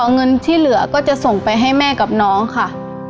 เงินที่เหลือก็จะส่งไปให้แม่กับน้องค่ะ